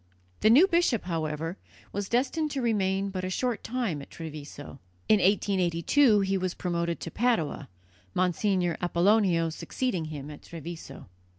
The new bishop, however, was destined to remain but a short time at Treviso. In 1882 he was promoted to Padua, Monsignor Apollonio succeeding him at Treviso.